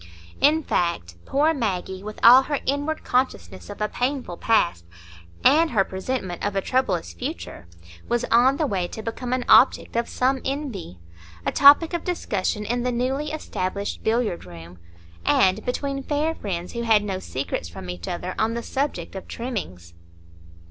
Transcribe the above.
In fact, poor Maggie, with all her inward consciousness of a painful past and her presentiment of a troublous future, was on the way to become an object of some envy,—a topic of discussion in the newly established billiard room, and between fair friends who had no secrets from each other on the subject of trimmings.